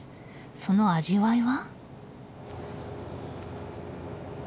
その味わいは？